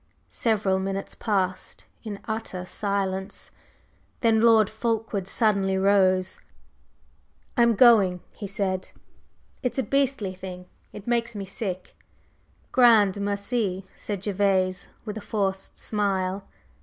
Several minutes passed in utter silence, then Lord Fulkeward suddenly rose. "I'm going!" he said. "It's a beastly thing; it makes me sick!" "Grand merci!" said Gervase with a forced smile.